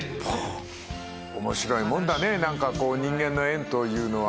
面白いもんだね何かこう人間の縁というのは。